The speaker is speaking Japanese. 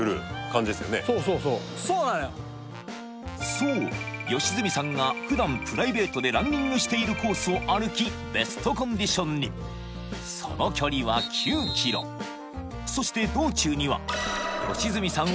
そう良純さんが普段プライベートでランニングしているコースを歩きベストコンディションにその距離は９キロそして道中には良純さん